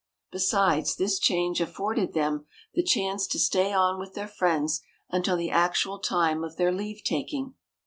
Besides, this change afforded them the chance to stay on with their friends until the actual time of their leave taking.